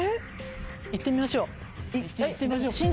行ってみましょう。